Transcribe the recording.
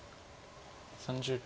３０秒。